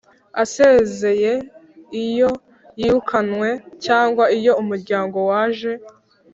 asezeye iyo yirukanwe cyangwa iyo umuryango waje